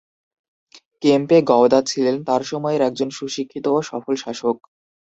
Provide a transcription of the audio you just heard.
কেম্পে গওদা ছিলেন তাঁর সময়ের একজন সুশিক্ষিত ও সফল শাসক।